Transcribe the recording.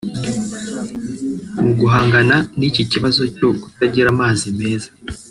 Mu guhangana n’iki kibazo cyo kutagira amazi meza